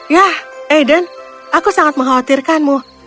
ya aiden aku sangat mengkhawatirkanmu